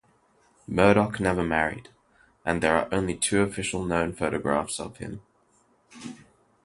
Murdoch never married, and there are only two official known photographs of him.